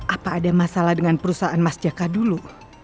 apa ada masalah dengan perusahaan mas jaka dulu